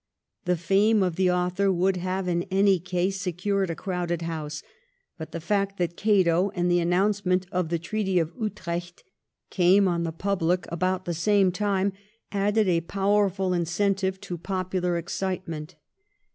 The fame of the author would have in any case secured a crowded house, but the fact that 'Oato/ and the announcement of the Treaty of Utrecht, came on the public about the same time, added a powerful incentive to popular excitement.